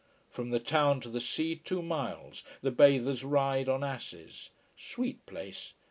From the town to the sea, two miles, the bathers ride on asses. Sweet place.